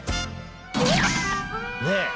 ねえ！